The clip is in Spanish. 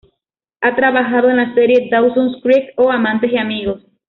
Ha trabajado en la serie Dawson's Creek, o "Amantes y amigos".